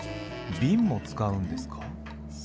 ビンも使うんですか？